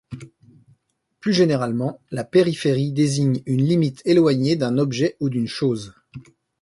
Plus généralement, la périphérie désigne une limite éloignée d'un objet ou d'une chose.